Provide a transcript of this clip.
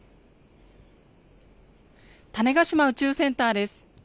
種子島宇宙センターです。